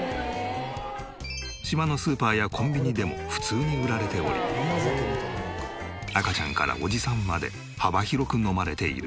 島のスーパーやコンビニでも普通に売られており赤ちゃんからおじさんまで幅広く飲まれている。